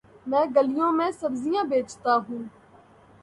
میں گلیوں میں سبزیاں بیچتا ہوں